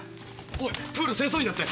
おいプール清掃員だって。